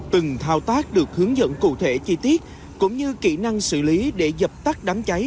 từng thao tác được hướng dẫn cụ thể chi tiết cũng như kỹ năng xử lý để dập tắt đám cháy